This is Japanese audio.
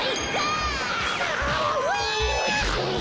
うわ！